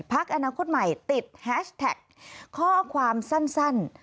พักอนาคตใหม่ติดแฮชแท็กข้อความสั้น